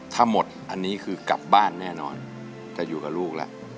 ถ้าหมดอันนี้คือกลับบ้านแน่นอนจะอยู่กับลูกแล้ว